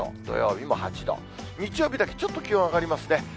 土曜日も８度、日曜日だけちょっと気温上がりますね。